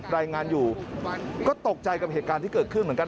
รายงานอยู่ก็ตกใจกับเหตุการณ์ที่เกิดขึ้นเหมือนกัน